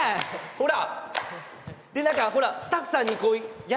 ほら！